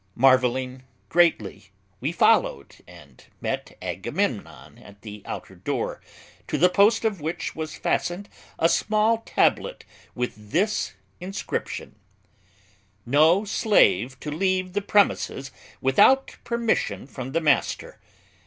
Marveling greatly, we followed, and met Agamemnon at the outer door, to the post of which was fastened a small tablet bearing this inscription: NO SLAVE TO LEAVE THE PREMISES WITHOUT PERMISSION FROM THE MASTER.